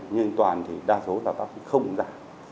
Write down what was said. nhưng toàn thì đa số tòa tác không ra